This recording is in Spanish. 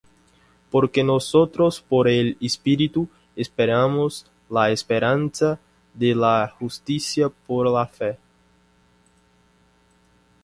Porque nosotros por el Espíritu esperamos la esperanza de la justicia por la fe.